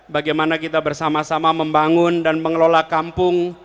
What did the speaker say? bagaimana kita bersama sama membangun dan mengelola kampung